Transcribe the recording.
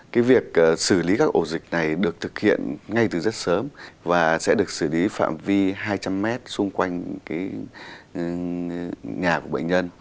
cái việc xử lý các ổ dịch này được thực hiện ngay từ rất sớm và sẽ được xử lý phạm vi hai trăm linh m xung quanh cái nhà của bệnh nhân